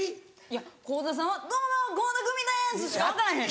いや倖田さんは「どうも倖田來未です」しか分からへん。